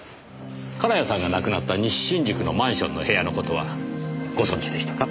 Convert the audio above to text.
金谷さんが亡くなった西新宿のマンションの部屋の事はご存じでしたか？